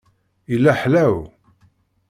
Yella ḥlaw.